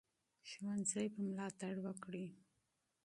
ښوونځي به ملاتړ وکړي.